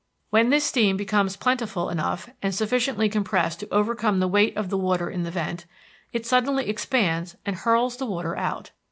When this steam becomes plentiful enough and sufficiently compressed to overcome the weight of the water in the vent, it suddenly expands and hurls the water out.